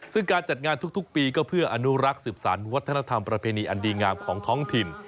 ซึ่งการจัดงานทุกปีก็เพื่ออนุรักษ์สืบสารวัฒนธรรมประเพณีอันดีงามของท้องถิ่น